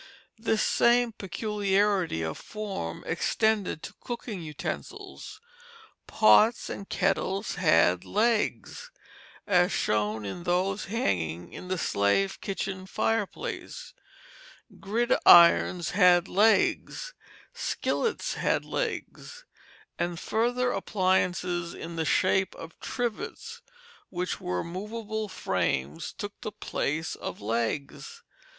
This same peculiarity of form extended to cooking utensils. Pots and kettles had legs, as shown in those hanging in the slave kitchen fireplace; gridirons had legs, skillets had legs; and further appliances in the shape of trivets, which were movable frames, took the place of legs.